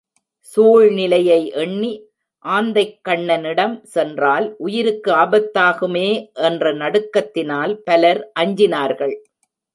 சூழ்நிலையை எண்ணி ஆந்தைக்கண்ணனிடம் சென்றால், உயிருக்கு ஆபத்தாகுமே என்ற நடுக்கத்தினால் பலர் அஞ்சினார்கள்.